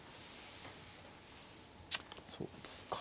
そうですか。